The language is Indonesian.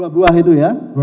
dua buah itu ya